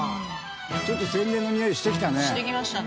ちょっと宣伝のにおいしてきたね。